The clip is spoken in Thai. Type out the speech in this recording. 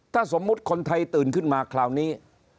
ถ้าสมมุติคนไทยตื่นขึ้นมาคราวนี้